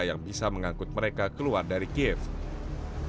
kota kota yang menembus perjalanan menjelaskan ke kota